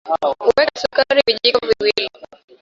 Weka sukari vijiko viwili